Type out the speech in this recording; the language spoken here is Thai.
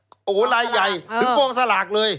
โอ้โหลายใหญ่ถึงกองสลากเลย